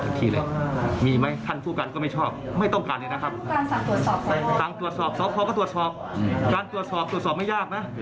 การตรวจสอบตรวจสอบไม่ยากนะ